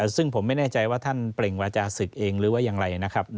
ซึ่งผมไม่แน่ใจว่าท่านเปล่งวาจาศึกเองหรือว่าอย่างไรนะครับ